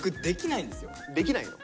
できないの？